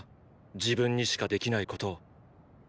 自分にしかできないことを。